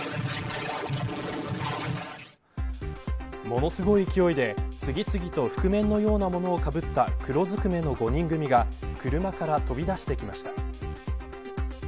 ものすごい勢いで次々と覆面のようなものをかぶった黒ずくめの５人組が車から飛び出してきました。